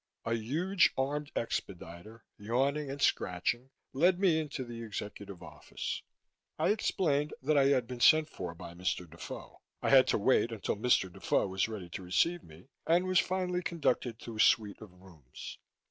A huge armed expediter, yawning and scratching, let me in to the executive office. I explained that I had been sent for by Mr. Defoe. I had to wait until Mr. Defoe was ready to receive me and was finally conducted to a suite of rooms.